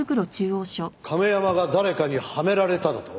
亀山が誰かにはめられただと？